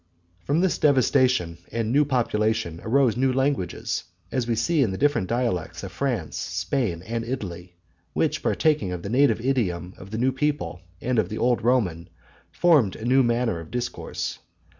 From this devastation and new population arose new languages, as we see in the different dialects of France, Spain and Italy; which, partaking of the native idiom of the new people and of the old Roman, formed a new manner of discourse.